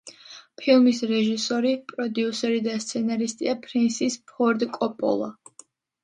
ფილმის რეჟისორი, პროდიუსერი და სცენარისტია ფრენსის ფორდ კოპოლა.